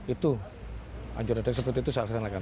itu anjuran seperti itu saya laksanakan